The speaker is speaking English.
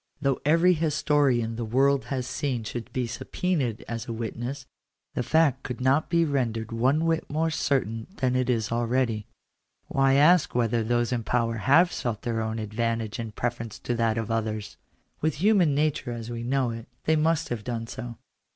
Though every historian the world has seen should be subpoened as a Digitized by VjOOQIC 220 THE CONSTITUTION OF THE STATE. witness, tbe fact could not be rendered one whit more certain than it is already. Why ask whether those in power have sought their own advantage in preference to that of others? With human nature as we know it, they must have done so.